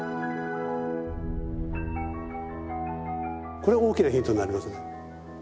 これは大きなヒントになりますね。